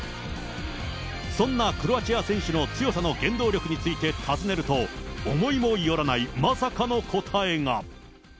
そんなクロアチア選手の強さの原動力について尋ねると、思いもよらないまさかの答えが。